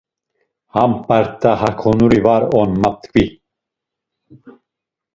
Ham p̌art̆a hakonuri var on ma ptǩvi.